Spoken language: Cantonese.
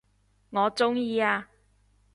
我鍾意啊